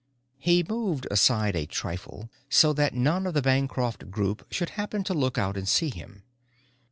He moved aside a trifle so that none of the Bancroft group should happen to look out and see him.